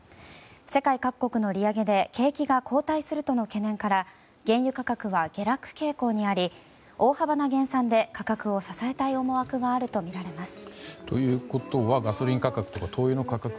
世界各国の利上げで景気が後退するとの懸念から原油価格は下落傾向にあり大幅な減産で価格を支えたい思惑があるとみられます。